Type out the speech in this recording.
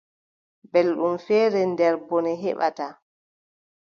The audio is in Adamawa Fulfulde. Belɗum feere nder bone heɓata.